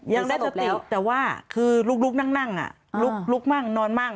ยังได้สติแต่ว่าคือลุกนั่งลุกมั่งนอนมั่ง